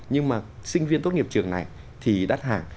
nhưng mà sinh viên tốt nghiệp trường này thì đắt hàng